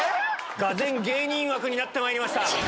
がぜん芸人枠になってまいりました。